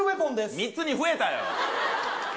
３つに増えたよ。